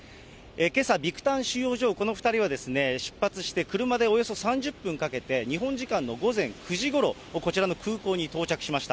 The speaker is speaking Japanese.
けさ、ビクタン収容所をこの２人は出発して、車でおよそ３０分かけて、日本時間の午前９時ごろ、こちらの空港に到着しました。